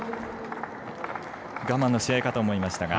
我慢の試合かと思いましたが。